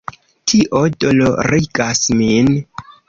Tio dolorigas min.